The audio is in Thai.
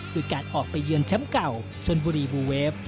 คือการออกไปเยือนแชมป์เก่าชนบุรีบูเวฟ